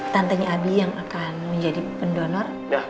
tantenya abi yang akan menjadi pendonor